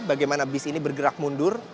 bagaimana bis ini bergerak mundur